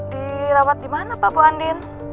dirawat dimana pak bu andin